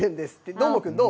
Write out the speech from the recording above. どーもくん、どう？